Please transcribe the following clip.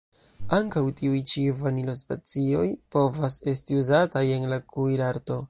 Ankaŭ tiuj ĉi Vanilo-specioj povas esti uzataj en la kuirarto.